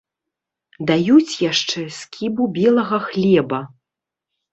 Даюць яшчэ скібу белага хлеба.